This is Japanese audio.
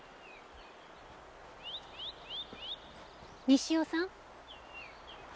西尾さん？